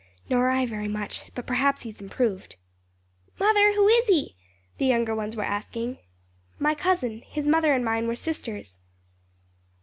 "Nor I, very much, but perhaps he has improved." "Mother, who is he?" the younger ones were asking. "My cousin; his mother and mine were sisters."